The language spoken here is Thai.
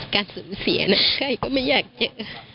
การสูญเสียนะใกล้ก็ไม่อยากเจอ